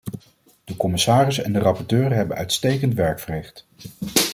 De commissaris en de rapporteur hebben uitstekend werk verricht.